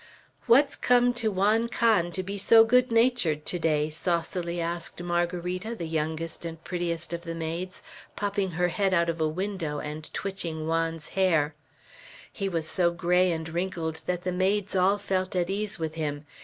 "What's come to Juan Can to be so good natured to day?" saucily asked Margarita, the youngest and prettiest of the maids, popping her head out of a window, and twitching Juan's hair. He was so gray and wrinkled that the maids all felt at ease with him.